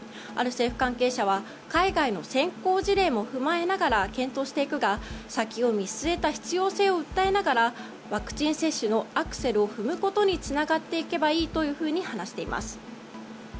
ある政府関係者は海外の先行事例も踏まえながら検討していくが、先を見据えた必要性を訴えながらワクチン接種のアクセルを踏むことにつながっていけばいいと話しています。